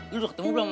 lu udah ketemu belum